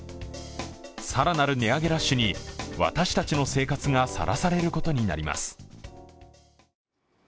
更なる値上げラッシュに私たちの生活がさらされることになります。